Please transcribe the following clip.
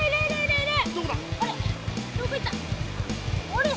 あれ？